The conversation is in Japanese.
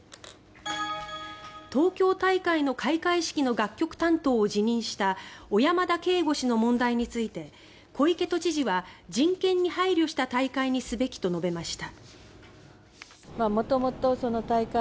東京大会の開会式の楽曲担当を辞任した小山田圭吾氏の問題について小池都知事は人権に配慮した大会にすべきと述べました。